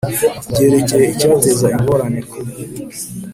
byerekeye icyateza ingorane ku